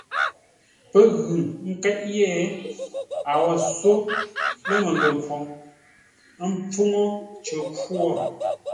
Pə́ ghʉ ńkéʼ yé, a wo só lə́ məngənkhwoŋ, ə́ mpfúŋə́ cər khwo.